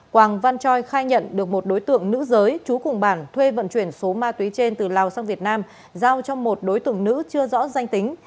quảng văn choi khai nhận được một đối tượng nữ giới chú cùng bản thuê vận chuyển số ma túy trên từ lào sang việt nam giao cho một đối tượng nữ chưa rõ danh tính